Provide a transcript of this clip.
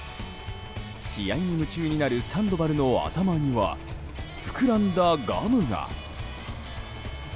試合に夢中になるサンドバルの頭には膨らんだガムが。